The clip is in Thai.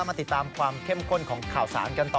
มาติดตามความเข้มข้นของข่าวสารกันต่อ